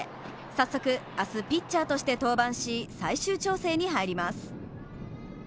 早速、明日、ピッチャーとして登板し最終調整に入ります。